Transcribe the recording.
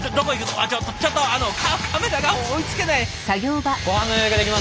あっちょっとカメラが追いつけない！